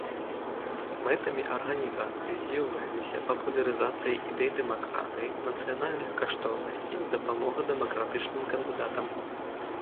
Мэтамі арганізацыі з'яўляліся папулярызацыя ідэй дэмакратыі, нацыянальных каштоўнасцей, дапамога дэмакратычным кандыдатам.